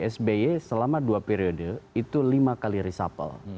sby selama dua periode itu lima kali reshuffle